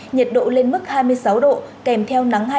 nhiệt độ lên mức hai mươi sáu độ kèm theo nắng hạn